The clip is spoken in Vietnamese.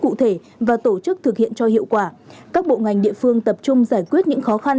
cụ thể và tổ chức thực hiện cho hiệu quả các bộ ngành địa phương tập trung giải quyết những khó khăn